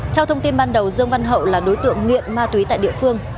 theo thông tin ban đầu dương văn hậu là đối tượng nghiện ma túy tại địa phương